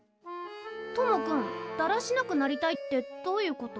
友くんだらしなくなりたいってどういうこと？